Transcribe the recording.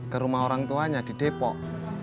ke rumah orang tuanya di depok